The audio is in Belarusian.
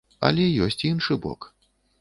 Але ёсць іншы бок.